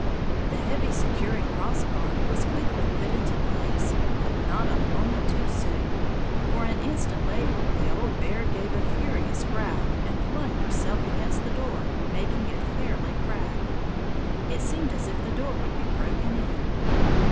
The heavy securing cross bar was quickly put into place; but not a moment too soon, for an instant later the old bear gave a furious growl and flung herself against the door, making it fairly crack; it seemed as if the door would be broken in.